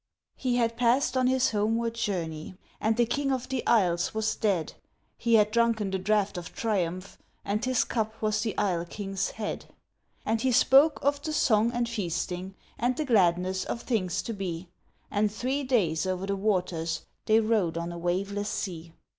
He had passed on his homeward journey, and the king of the isles was dead; He had drunken the draught of triumph, and his cup was the isle king's head; And he spoke of the song and feasting, and the gladness of things to be, And three days over the waters they rowed on a waveless sea.